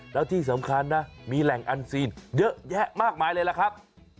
แล้วที่สำคัญนะมีแหล่งอันซีนเยอะแยะมากมายเลยล่ะครับ